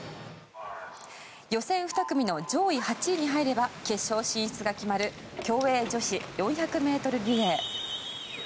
予選２組の上位８位に入れば決勝進出が決まる競泳女子４００ｍリレー。